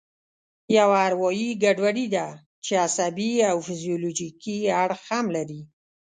یوه اروایي ګډوډي ده چې عصبي او فزیولوژیکي اړخ هم لري.